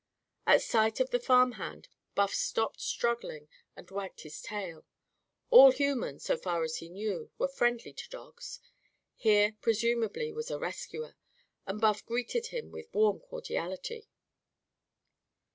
At sight of the farm hand, Buff stopped struggling and wagged his tail. All humans, so far as he knew, were friendly to dogs. Here, presumably, was a rescuer. And Buff greeted him with warm cordiality.